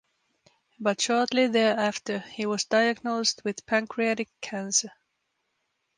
But shortly thereafter, he was diagnosed with pancreatic cancer.